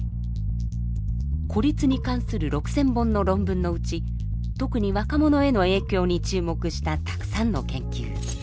孤立に関する６，０００本の論文のうち特に若者への影響に注目したたくさんの研究。